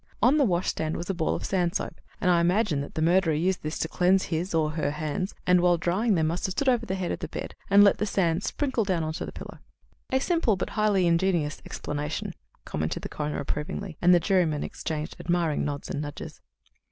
On the washstand was a ball of sand soap, and I imagine that the murderer used this to cleanse his or her hands, and, while drying them, must have stood over the head of the bed and let the sand sprinkle down on to the pillow." "A simple but highly ingenious explanation," commented the coroner approvingly, and the jurymen exchanged admiring nods and nudges.